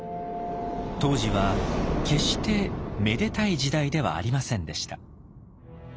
当時は決して「めでたい時代」ではありませんでした。